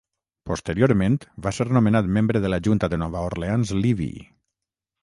Posteriorment, va ser nomenat membre de la Junta de Nova Orleans Levee.